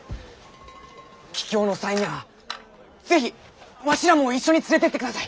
帰京の際にゃあ是非わしらも一緒に連れてってください！